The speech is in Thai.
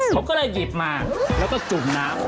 เขาก็เลยหยิบมาแล้วก็จุ่มน้ำ